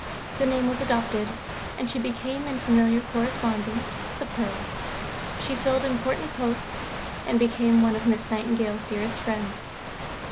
The name was adopted, and she became in familiar correspondence "The Pearl." She filled important posts, and became one of Miss Nightingale's dearest friends.